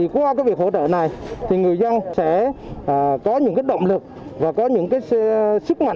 qua việc hỗ trợ này người dân sẽ có những động lực và sức mạnh để cố gắng vượt qua những khó khăn